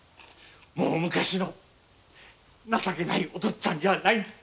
もう昔の情けないお父っつぁんじゃないんだ。